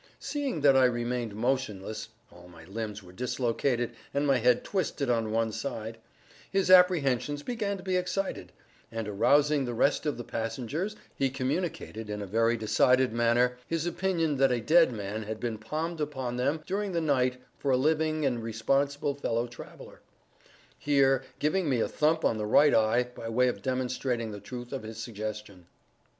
Seeing that I remained motionless (all my limbs were dislocated and my head twisted on one side), his apprehensions began to be excited; and arousing the rest of the passengers, he communicated, in a very decided manner, his opinion that a dead man had been palmed upon them during the night for a living and responsible fellow traveller; here giving me a thump on the right eye, by way of demonstrating the truth of his suggestion.